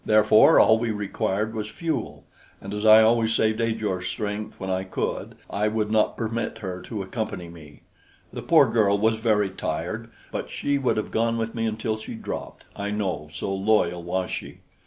Therefore, all we required was fuel, and as I always saved Ajor's strength when I could, I would not permit her to accompany me. The poor girl was very tired; but she would have gone with me until she dropped, I know, so loyal was she.